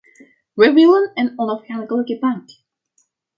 Wij willen een onafhankelijke bank.